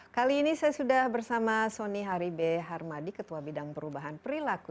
kali ini saya sudah bersama sony haribe harmadi ketua bidang perubahan perilaku